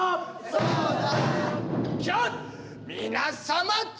そうだ！